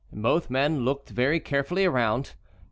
Both men looked very carefully around.